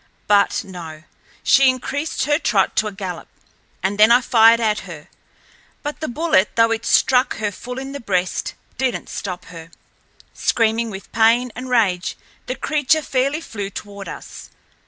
But no—she increased her trot to a gallop, and then I fired at her, but the bullet, though it struck her full in the breast, didn't stop her. Screaming with pain and rage, the creature fairly flew toward us.